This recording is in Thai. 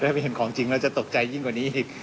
ถ้าไปเห็นของจริงแล้วจะตกใจยิ่งกว่านี้อีก